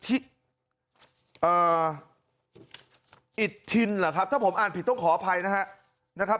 อิทธินเหรอครับถ้าผมอ่านผิดต้องขออภัยนะครับ